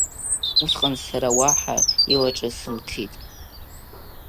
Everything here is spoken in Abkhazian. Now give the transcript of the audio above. Усҟан сара уаҳа илаҿысмҭит.